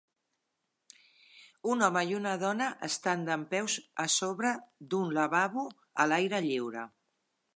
Un home i una dona estan dempeus a sobre d'un lavabo a l'aire lliure.